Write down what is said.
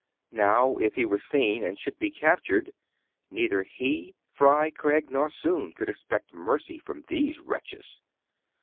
Now, if he were seen, and should be captured, neither he. Fry, Craig, nor Soun could expect mercy from these wretches.